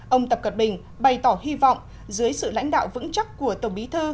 ông tập cận bình bày tỏ hy vọng dưới sự lãnh đạo vững chắc của tổng bí thư